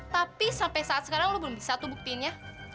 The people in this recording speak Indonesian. tapi sampe saat sekarang lo belum bisa tuh buktinya